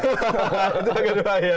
itu kedua ya